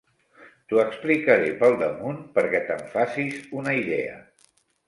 T'ho explicaré pel damunt perquè te'n facis una idea.